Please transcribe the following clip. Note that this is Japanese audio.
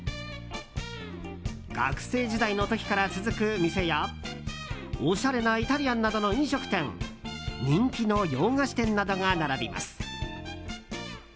学生時代の時から続く店やおしゃれなイタリアンなどの飲食店人気の洋菓子店などが並びます。